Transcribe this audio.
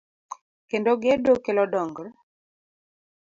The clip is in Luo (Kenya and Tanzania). Kendo gedo kelo dongr